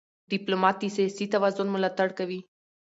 ډيپلومات د سیاسي توازن ملاتړ کوي.